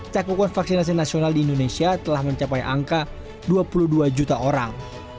cakupan vaksinasi nasional di indonesia telah mencapai angka dua puluh dua juta orang